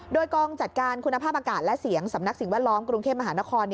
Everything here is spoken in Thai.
โดยกองจัดการคุณภาพอากาศและเสียงสำนักสิ่งแวดล้อมกรุงเทพมหานคร